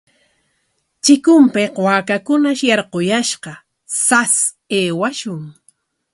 Chikunpik waakakunash yarquyashqa, sas aywashun.